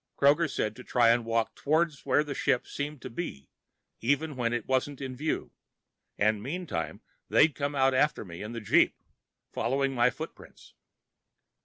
Kroger said to try and walk toward where the ship seemed to be, even when it wasn't in view, and meantime they'd come out after me in the jeep, following my footprints.